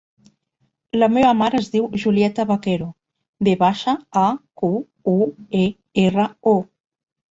La meva mare es diu Julieta Vaquero: ve baixa, a, cu, u, e, erra, o.